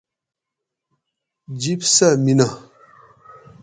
جِب سہۤ مینہ